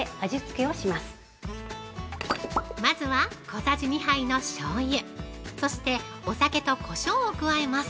◆まずは小さじ２杯のしょうゆそしてお酒とこしょうを加えます。